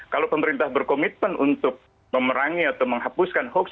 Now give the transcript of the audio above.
kalau pemerintah berkomitmen untuk memerangi atau menghapuskan hoax